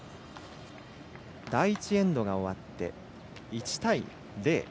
第１エンドが終わって１対０。